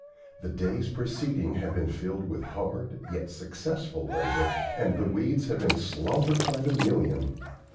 The days preceding had been filled with hard, yet successful labor, and the weeds had been slaughtered by the million.